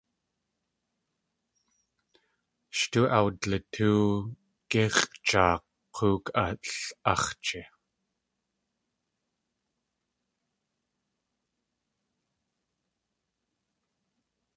Sh tóo awdlitóow g̲íx̲ʼjaa k̲óok al.áx̲ji.